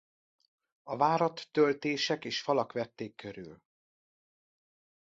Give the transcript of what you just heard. A várat töltések és falak vették körül.